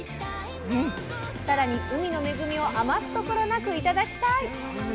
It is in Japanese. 更に海の恵みを余すところなく頂きたい！